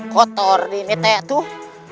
kotor ini teh